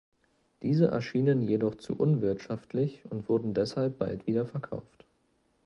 Diese erschienen jedoch zu unwirtschaftlich und wurden deshalb bald wieder verkauft.